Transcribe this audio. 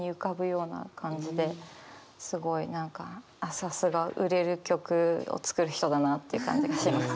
さすが売れる曲を作る人だなっていう感じがします。